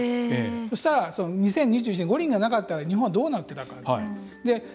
そしたら２０２１年、五輪がなかったら日本はどうなっていたか。